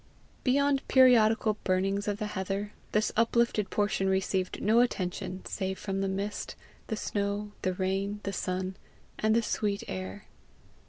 Beyond periodical burnings of the heather, this uplifted portion received no attention save from the mist, the snow, the rain, the sun, and the sweet air.